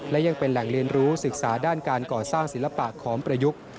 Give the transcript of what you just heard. และยังเป็นแหล่งเรียนรู้ศึกษาด้านการก่อสร้างศิลปะขอมประยุกต์